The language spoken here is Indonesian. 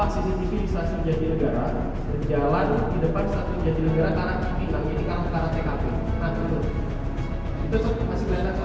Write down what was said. sebenarnya di tkp nya ada pembatas